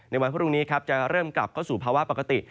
ในวันพรุ่งนี้จะเริ่มกลับเข้าสู่ภาวะปกติ